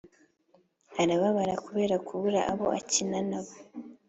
arababara kubera kubura abo akina na bo.